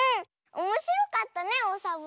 おもしろかったねオサボスキー。